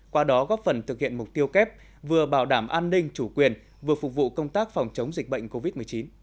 qua đó góp phần thực hiện mục tiêu kép vừa bảo đảm an ninh chủ quyền vừa phục vụ công tác phòng chống dịch bệnh covid một mươi chín